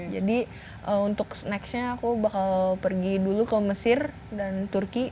jadi untuk nextnya aku bakal pergi dulu ke mesir dan turki